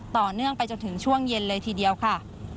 ต่อเนื่องไปจนถึงช่วงเย็นเลยทีเดียวค่ะ